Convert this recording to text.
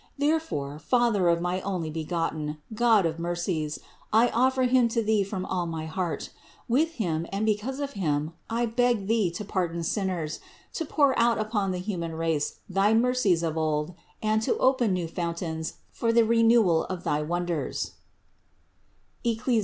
Therefore, Father of my Onlybegotten, God of mercies, I offer Him to Thee from all my heart; with Him and because of Him I beg Thee to pardon sinners, to pour out upon the human race thy mercies of old and to open new fountains for the renewal of thy wonders (Eccli.